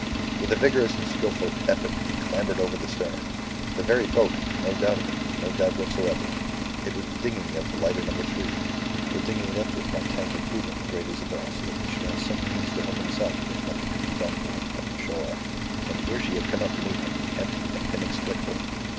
With a vigorous and skilful effort he clambered over the stern. The very boat! No doubt of it; no doubt whatever. It was the dinghy of the lighter No. 3 the dinghy left with Martin Decoud on the Great Isabel so that he should have some means to help himself if nothing could be done for him from the shore. And here she had come out to meet him empty and inexplicable.